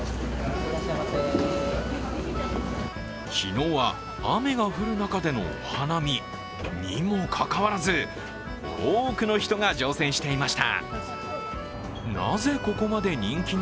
昨日は、雨が降る中でのお花見にもかかわらず多くの人が乗船していました。